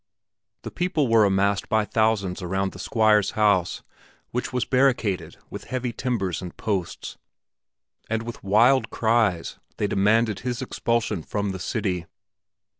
The people were massed by thousands around the Squire's house, which was barricaded with heavy timbers and posts, and with wild cries they demanded his expulsion from the city.